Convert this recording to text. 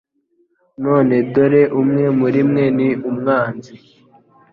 None dore umwe muri mwe ni umwanzi.""